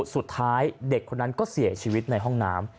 สุดท้ายเด็กคนนั้นก็เสียชีวิตในห้องน้ำ